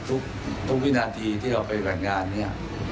ทุกวินาทีที่เราไปจัดงานเนี่ย